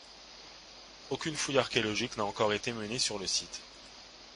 Aucune fouille archéologique n'a encore été menée sur le site.